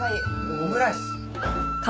オムライス！